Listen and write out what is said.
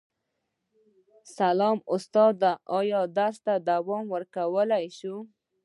سلام استاده ایا درس ته دوام ورکولی شو